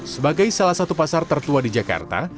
sebagai salah satu pasar tertua di jakarta